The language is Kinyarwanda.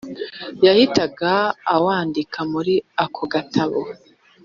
yahitaga awandika muri ako gatabo